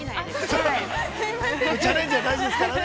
◆チャレンジは大事ですからね。